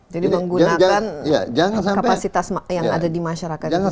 jadi menggunakan kapasitas yang ada di masyarakat itu sendiri